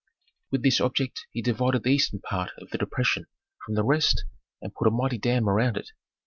With this object he divided the eastern part of the depression from the rest and put a mighty dam around it.